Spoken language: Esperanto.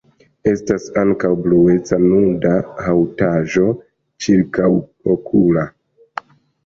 Estas ankaŭ blueca nuda haŭtaĵo ĉirkaŭokula.